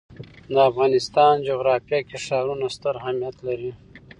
د افغانستان جغرافیه کې ښارونه ستر اهمیت لري.